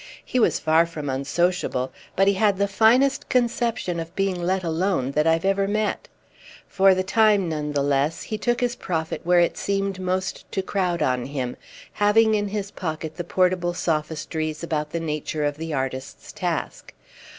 He was far from unsociable, but he had the finest conception of being let alone that I've ever met. For the time, none the less, he took his profit where it seemed most to crowd on him, having in his pocket the portable sophistries about the nature of the artist's task.